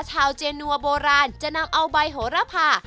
เจนัวโบราณจะนำเอาใบโหระพา